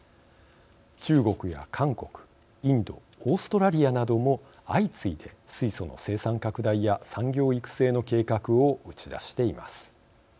中国や韓国、インドオーストラリアなども相次いで水素の生産拡大や産業育成の計画を打ち出しています。